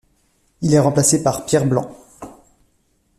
Il est remplacé par Pierre Blanc.